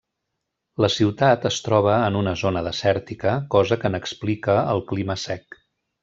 La ciutat es troba en una zona desèrtica, cosa que n'explica el clima sec.